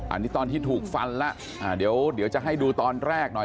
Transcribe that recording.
อันนี้ตอนที่ถูกฟันแล้วเดี๋ยวจะให้ดูตอนแรกหน่อย